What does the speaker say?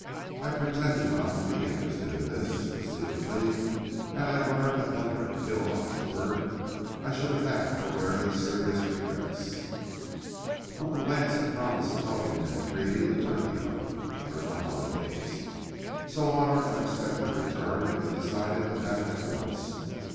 I pretended not to be interested in this, but secretly had I learned that Hunter had killed Oxenford, I should have had no very serious regrets. Uncle Lance had promised Tully and Nancrede a turkey hunt during the holidays, so on our unexpected return it was decided to have it at once.